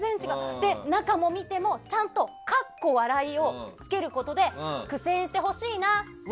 中を見ても、ちゃんとをつけることで苦戦してほしいなー